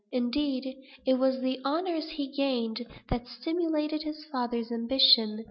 Indeed, it was the honors he gained that stimulated his father's ambition.